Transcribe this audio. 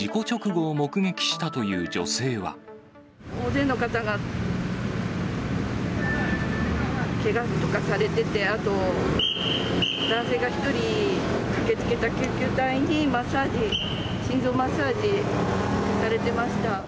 大勢の方が、けがとかされてて、あと、男性が１人、駆けつけた救急隊にマッサージ、心臓マッサージされてました。